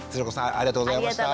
ありがとうございます。